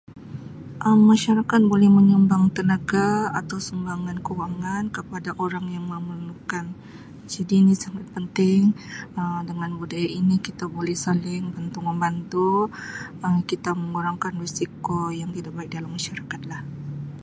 Um Masyarakat boleh menyumbang tenaga atau sumbangan kewangan kepada orang yang memerlukan jadi ini sangat penting Um dengan budaya ini kita boleh saling bantu membantu Um kita mengurangkan risiko yang tidak baik dalam masyarakat lah.